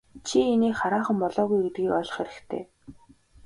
Чи инээх хараахан болоогүй гэдгийг ойлгох хэрэгтэй.